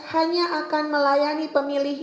hanya akan melayani pemilih